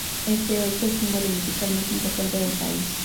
Es, de hecho, el símbolo musical más importante del país.